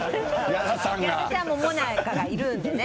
いや、私はもなかがいるんでね。